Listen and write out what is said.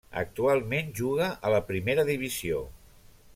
Actualment juga a la Primera Divisió.